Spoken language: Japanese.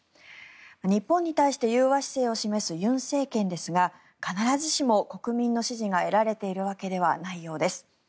日本に対して融和姿勢を示す尹政権ですが必ずしも国民の支持が得られているわけではないようです。